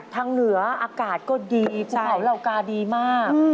ทางเหนืออากาศก็ดีภูเขาเหล่ากาดีมาก